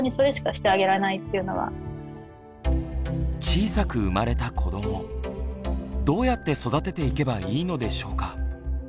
小さく生まれた子どもどうやって育てていけばいいのでしょうか？